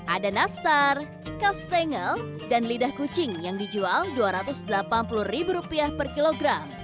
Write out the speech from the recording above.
ada nastar kastengel dan lidah kucing yang dijual rp dua ratus delapan puluh per kilogram